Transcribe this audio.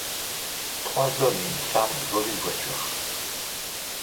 Trois hommes et une femme volent une voiture.